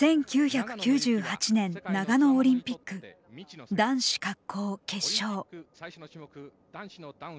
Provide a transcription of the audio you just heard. １９９８年長野オリンピック男子滑降決勝。